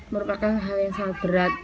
merupakan hal yang sangat berat